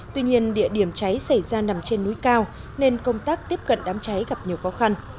tuy nhiên địa điểm cháy xảy ra nằm trên núi cao nên công tác tiếp cận đám cháy gặp nhiều khó khăn